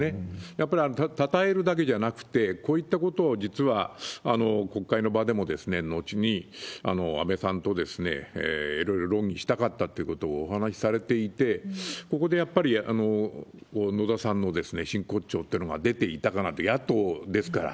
やっぱりたたえるだけじゃなくて、こういったことを実は、国会の場でも後に安倍さんといろいろ論議したかったということをお話されていて、ここでやっぱり野田さんの真骨頂というのが出ていたかなと、野党ですから。